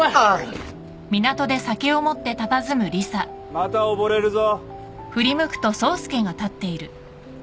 ・また溺れるぞ。